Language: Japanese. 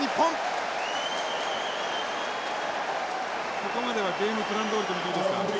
ここまではゲームプランどおりと見ていいですか？